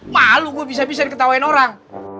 malu gue bisa bisa diketawain orang